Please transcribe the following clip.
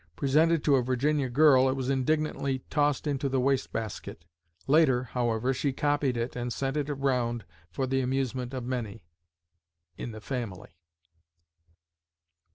Presented to a Virginia girl, it was indignantly tossed into the wastebasket. Later, however, she copied it and sent it around for the amusement of many in the family!)